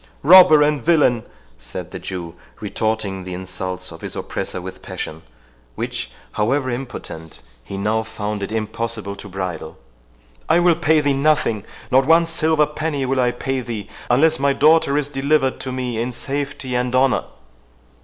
"Robber and villain!" said the Jew, retorting the insults of his oppressor with passion, which, however impotent, he now found it impossible to bridle, "I will pay thee nothing—not one silver penny will I pay thee, unless my daughter is delivered to me in safety and honour!"